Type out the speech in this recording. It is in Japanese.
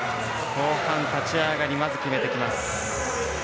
後半立ち上がりまず決めてきます。